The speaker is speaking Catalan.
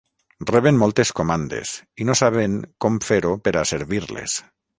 Reben moltes comandes i no saben com fer-ho per a servir-les.